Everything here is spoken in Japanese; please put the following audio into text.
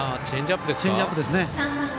チェンジアップです。